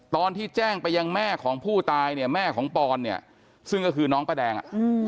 ตอนที่แจ้งไปยังแม่ของผู้ตายเนี่ยแม่ของปอนเนี่ยซึ่งก็คือน้องป้าแดงอ่ะ